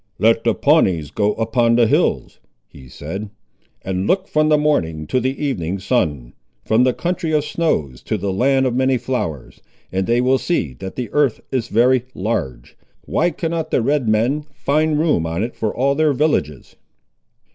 "Let the Pawnees go upon the hills," he said, "and look from the morning to the evening sun, from the country of snows to the land of many flowers, and they will see that the earth is very large. Why cannot the Red men find room on it for all their villages?"